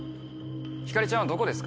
光莉ちゃんはどこですか？